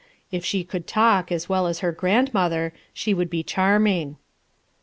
If she could talk as well as her grandmother, she would be charming.